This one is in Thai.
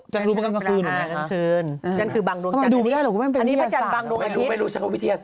จันทรุบ้างกลางคืนหรือไง